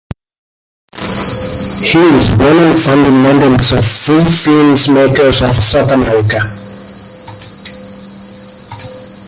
He is one of the founding members of Free Film Makers of South Africa.